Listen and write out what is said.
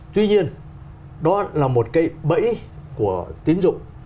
tuy nhiên đó là một cái bẫy của tín dụng